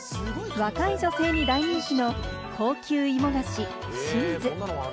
若い女性に大人気の「高級芋菓子しみず」。